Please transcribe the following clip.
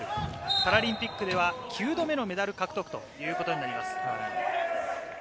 パラリンピックでは９度目のメダル獲得ということになります。